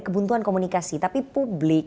kebuntuan komunikasi tapi publik